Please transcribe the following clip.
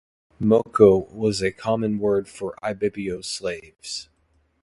"Moko" was a common word for Ibibio slaves.